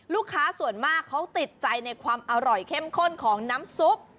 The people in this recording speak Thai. ลูกค้าส่วนมากเขาติดใจในความอร่อยเข้มข้นของน้ำซุป